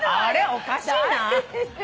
おかしいな。